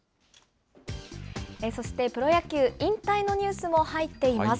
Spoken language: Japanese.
そしてプロ野球、引退のニュースも入っています。